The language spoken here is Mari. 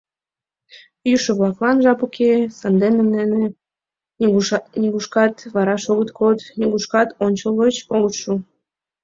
Йӱшӧ-влаклан жап уке, сандене нуно нигушкат вараш огыт код, нигушкат ончылгоч огыт шу.